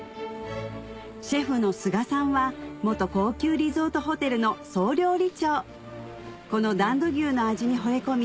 シェフの菅さんは高級リゾートホテルの総料理長この段戸牛の味にほれ込み